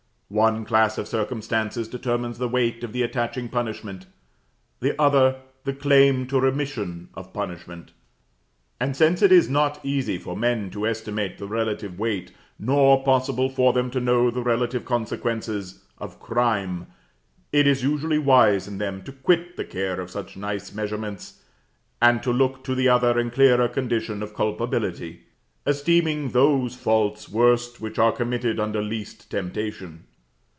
One class of circumstances determines the weight of the attaching punishment; the other, the claim to remission of punishment: and since it is not easy for men to estimate the relative weight, nor possible for them to know the relative consequences, of crime, it is usually wise in them to quit the care of such nice measurements, and to look to the other and clearer condition of culpability; esteeming those faults worst which are committed under least temptation.